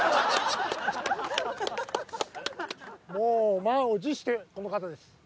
もう満を持してこの方です。